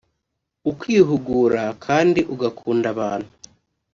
ukihugura kandi ugakunda abantu